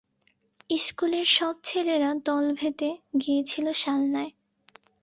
ইস্কুলের সব ছেলেরা দল বেঁধে গিয়েছিল সালনায়।